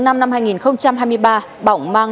năm hai nghìn hai mươi ba bỏng mang